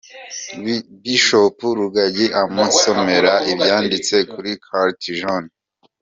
Bishop Rugagi amusomera ibyanditse kuri Carte Jaune.